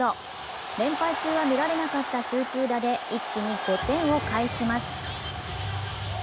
連敗中は見られなかった集中打で一気に５点を返します。